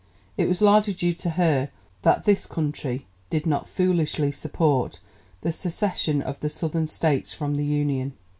It was largely due to her that this country did not foolishly support the secession of the Southern States from the Union.